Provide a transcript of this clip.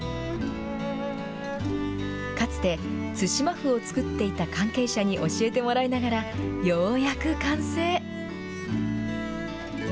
かつて津島麩を作っていた関係者に教えてもらいながら、ようやく完成。